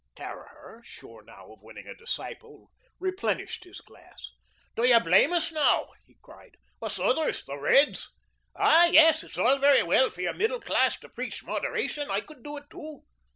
Caraher, sure now of winning a disciple, replenished his glass. "Do you blame us now," he cried, "us others, the Reds? Ah, yes, it's all very well for your middle class to preach moderation. I could do it, too.